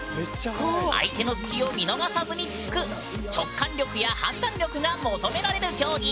相手の隙を見逃さずにつく直感力や判断力が求められる競技！